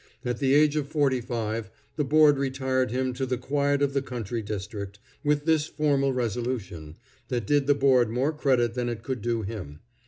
At the age of forty five the board retired him to the quiet of the country district, with this formal resolution, that did the board more credit than it could do him.